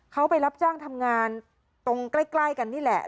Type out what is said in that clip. เขาไปรับจ้างทำงานตรงใกล้กันนี่แหละ